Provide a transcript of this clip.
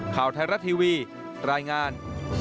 ข่าวไทยรัฐทีวีรายงาน